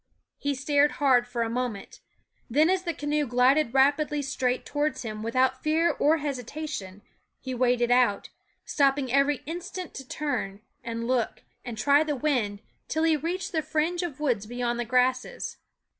He stared hard for a moment; then as the canoe glided rapidly straight towards him without fear or hesita tion he waded out, stopping every instant to turn, and look, and try the wind, till he reached the fringe of woods beyond the grasses.